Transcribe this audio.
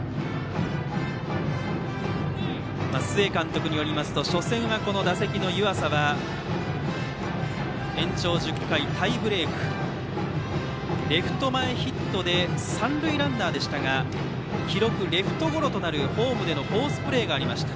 須江監督によりますと初戦は打席の湯浅は延長１０回タイブレーク、レフト前ヒットで三塁ランナーでしたが記録、レフトゴロとなるホームでのフォースプレーがありました。